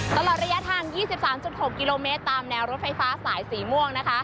ตลอดระยะทาง๒๓๖กิโลเมตรตามแนวรถไฟฟ้าสายสีม่วงนะคะ